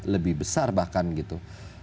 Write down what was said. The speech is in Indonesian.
lebih besar bahkan gitu